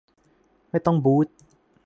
ไม่ต้องบู๊ท